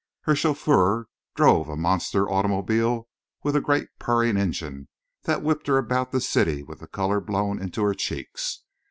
Her chauffeur drove a monster automobile with a great purring engine that whipped her about the city with the color blown into her cheeks.